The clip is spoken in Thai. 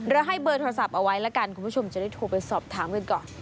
ให้เบอร์โทรศัพท์เอาไว้แล้วกันคุณผู้ชมจะได้โทรไปสอบถามกันก่อน